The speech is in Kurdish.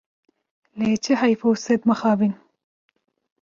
Lê çi heyf û sed mixabin!